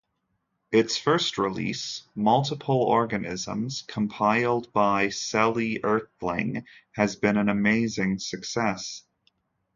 Its first release "Multiple Organisms" compiled by Celli Earthling has been an amazing success.